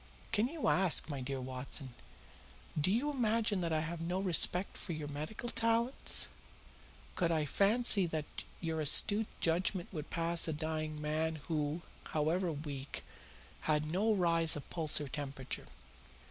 "Can you ask, my dear Watson? Do you imagine that I have no respect for your medical talents? Could I fancy that your astute judgment would pass a dying man who, however weak, had no rise of pulse or temperature?